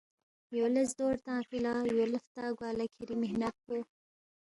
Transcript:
یو لہ زدور تنگفی لا، یو لہ ہلتا گوا لہ کِھری مِحنت پو